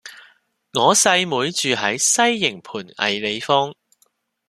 我細妹住喺西營盤藝里坊